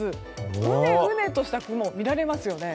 うねうねとした雲見られますよね。